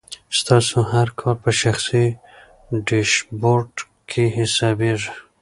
ستاسو هر کار په شخصي ډیشبورډ کې حسابېږي.